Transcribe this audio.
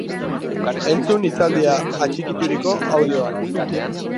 Entzun hitzaldia atxikituriko audioan!